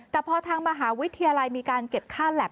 แต่พอทางมหาวิทยาลัยมีการเก็บค่าแล็บ